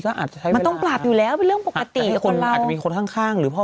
ยังมีอีกเหรอ